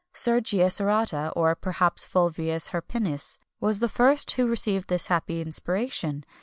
[XXI 231] Sergius Orata or, perhaps, Fulvius Hirpinus, was the first who received this happy inspiration.